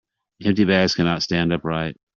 Empty bags cannot stand upright.